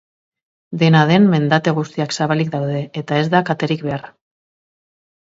Dena den, mendate guztiak zabalik daude, eta ez da katerik behar.